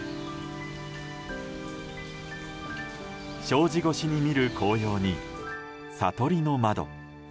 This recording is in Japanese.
障子越しに見る紅葉に悟りの窓。